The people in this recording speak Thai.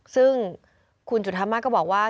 ซึ่งคุณจุธามาศก็บอกว่า